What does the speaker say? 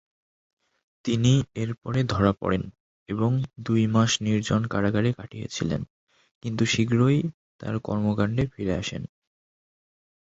তিনি এর পরে ধরা পড়েন এবং দুই মাস নির্জন কারাগারে কাটিয়েছিলেন, কিন্তু তিনি শীঘ্রই তাঁর কর্মকাণ্ডে ফিরে আসেন।